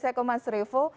saya ke mas revo